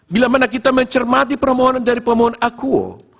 bila mana kita mencermati permohonan dari pemohon akuo